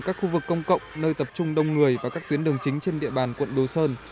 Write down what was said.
các khu vực công cộng nơi tập trung đông người và các tuyến đường chính trên địa bàn quận đồ sơn